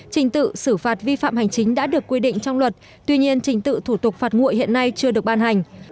trình tự xử phạt vi phạm hành chính đã được quy định trong luật tuy nhiên trình tự thủ tục phạt nguội hiện nay chưa được ban hành